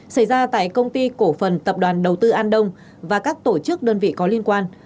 xảy ra tại công ty cổ phần tập đoàn đầu tư an đông và các tổ chức đơn vị có liên quan